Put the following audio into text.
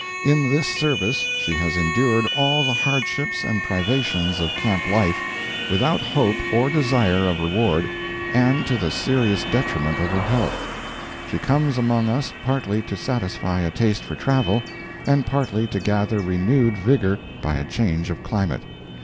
In this service she has endured all the hardships and privations of camp life, without hope or desire of reward, and to the serious detriment of her health. She comes among us partly to satisfy a taste for travel, and partly to gather renewed vigor by a change of climate.